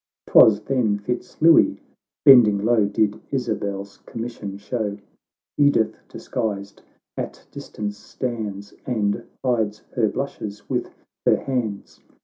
— JTwas then Fitz Louis, bending low, Did Isabel's commission show ; Edith, disguised, at distance stands, And hides her blushes with her hands.